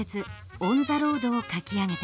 「オン・ザ・ロード」を書き上げた。